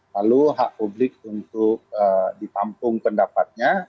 lalu hak publik untuk ditampung pendapatnya